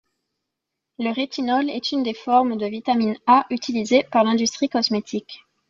Le rétinol est une des formes de vitamine A utilisée par l'industrie cosmétique.